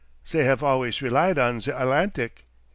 Zey have always relied on ze Atlantic.